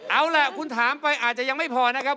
เอาล่ะคุณถามไปอาจจะยังไม่พอนะครับ